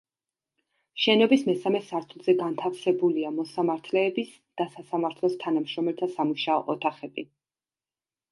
შენობის მესამე სართულზე განთავსებულია მოსამართლეების და სასამართლოს თანამშრომელთა სამუშაო ოთახები.